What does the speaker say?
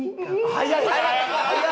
早い！